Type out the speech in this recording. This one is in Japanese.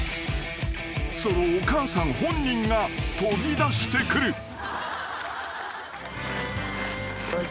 ［そのお母さん本人が飛び出してくる］